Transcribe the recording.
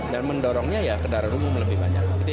dan mendorongnya ya kendaraan umum lebih banyak